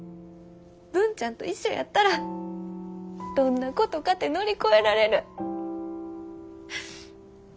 文ちゃんと一緒やったらどんなことかて乗り越えられる。